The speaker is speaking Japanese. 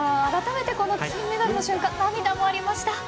あらためてこの金メダルの瞬間涙もありました。